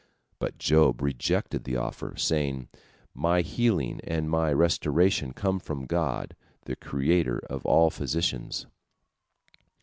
But Job rejected the offer, saying, "My healing and my restoration come from God, the Creator of all physicians."